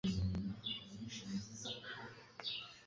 kugeza bashatse. muri izo mpamvu harimo izishingiye ku mubiri